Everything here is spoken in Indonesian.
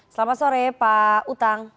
selamat sore pak utang